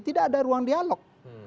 tidak ada ruang dialog